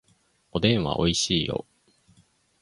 おでんはおいしいよ